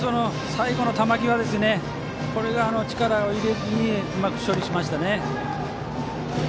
最後の球際、力を入れずにうまく処理しましたね。